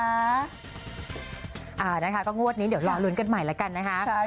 อ่านะคะก็งวดนี้เดี๋ยวรอลุ้นกันใหม่แล้วกันนะคะ